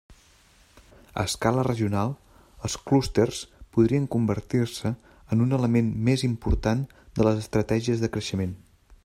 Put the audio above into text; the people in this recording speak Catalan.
A escala regional, els clústers podrien convertir-se en un element més important de les estratègies de creixement.